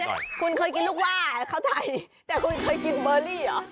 คุณเคยกินลูกว่าเข้าใจแต่คุณเคยกินเบอร์รี่เหรอ